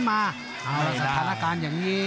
ภูตวรรณสิทธิ์บุญมีน้ำเงิน